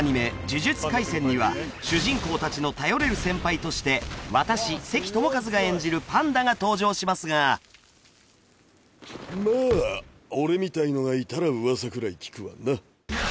「呪術廻戦」には主人公達の頼れる先輩として私関智一が演じるパンダが登場しますがまあ俺みたいのがいたら噂くらい聞くわな